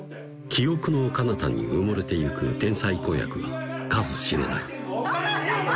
記憶のかなたに埋もれてゆく天才子役は数知れない「そもそも！